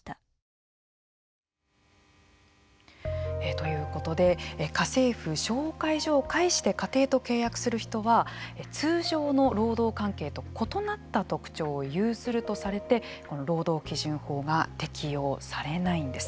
ということで家政婦紹介所を介して家庭と契約する人は通常の労働関係と異なった特徴を有するとされてこの労働基準法が適用されないんです。